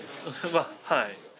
はい。